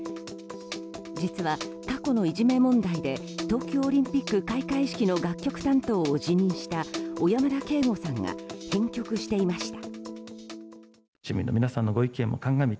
実は過去のいじめ問題で東京オリンピック開会式の楽曲担当を辞任した小山田圭吾さんが編曲していました。